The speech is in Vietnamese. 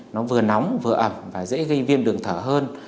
nó vừa nóng vừa ẩm và dễ gây viêm đường thở hơn